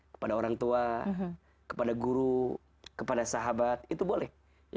kepada orang tua kepada guru kepada sahabat itu boleh